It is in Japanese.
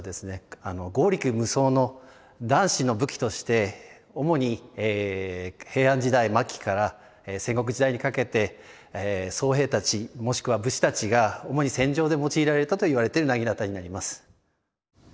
あの強力無双の男子の武器として主に平安時代末期から戦国時代にかけて僧兵たちもしくは武士たちが主に戦場で用いられたといわれている薙刀になります。